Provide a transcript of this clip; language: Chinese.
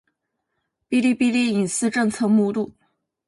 《哔哩哔哩隐私政策》目录